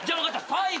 最後。